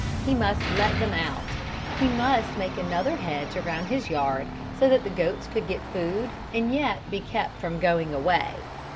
He must let them out. He must make another hedge around his yard so that the goats could get food and yet be kept from going away.